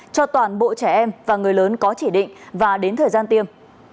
cho toàn bộ trẻ em và người lớn có chỉ định và đến thời gian tiêm